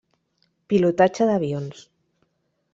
Pilotatge d'avions.